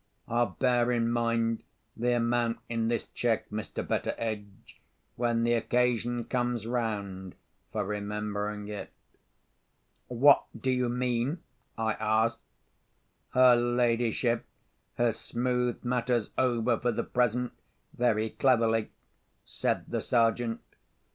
I'll bear in mind the amount in this cheque, Mr. Betteredge, when the occasion comes round for remembering it." "What do you mean?" I asked. "Her ladyship has smoothed matters over for the present very cleverly," said the Sergeant.